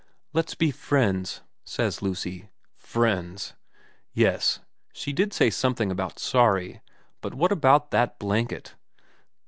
' Let's be friends,' says Lucy. Friends ! Yes, she did say something about sorry, but what about that blanket